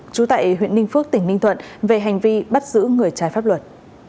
trú tại huyện ninh phước tỉnh ninh thuận về hành vi bắt giữ người trái pháp luật